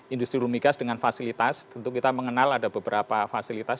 industri rumi gas dengan fasilitas tentu kita mengenal ada beberapa fasilitas